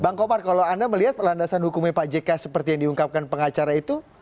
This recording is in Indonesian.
bang komar kalau anda melihat landasan hukumnya pak jk seperti yang diungkapkan pengacara itu